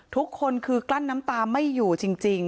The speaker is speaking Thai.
ทุกคนคือกลั้นน้ำตาไม่อยู่จริง